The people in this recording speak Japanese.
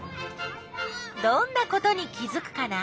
どんなことに気づくかな？